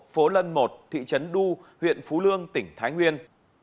phố lân một thị trấn du huyện phú lương tỉnh thái nguyên